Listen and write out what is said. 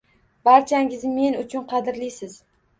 Barchangiz men uchun qadrlisiz!